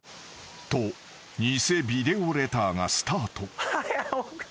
［と偽ビデオレターがスタート］